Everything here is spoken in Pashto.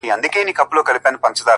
په څو رنگه عذاب د دې دنیا مړ سوم”